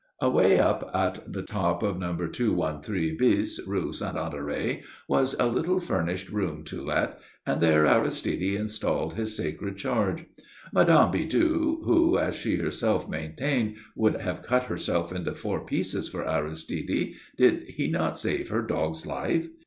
Away up at the top of No. 213 bis, Rue Saint Honoré, was a little furnished room to let, and there Aristide installed his sacred charge. Mme. Bidoux, who, as she herself maintained, would have cut herself into four pieces for Aristide did he not save her dog's life?